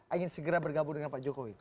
ingin segera bergabung dengan pak jokowi